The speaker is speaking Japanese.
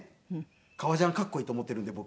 革ジャンかっこいいと思っているんで僕。